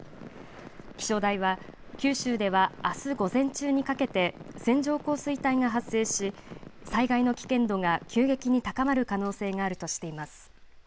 気象台は九州ではあす午前中にかけて線状降水帯が発生し災害の危険度が急激に高まる可能性があるとしています。